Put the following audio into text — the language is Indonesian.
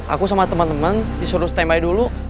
aku sama teman teman disuruh stand by dulu